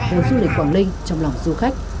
về du lịch quảng ninh trong lòng du khách